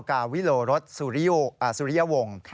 กาวิโรรัสสุริยวง